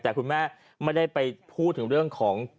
แต่คุณแม่ไม่ได้ไปพูดถึงเรื่องของ